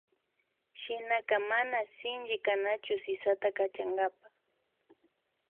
Shinaka mana sinchi kanachu sisata kachankapa